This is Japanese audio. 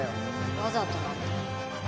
わざとなんだ。